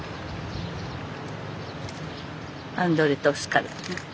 アンドレとオスカル。